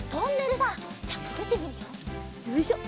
よいしょ。